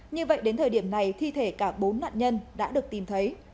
như vậy đến thời điểm này thi thể cả bốn nạn nhân đã được tìm thấy